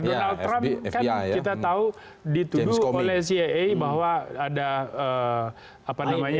donald trump kan kita tahu dituduh oleh caa bahwa ada apa namanya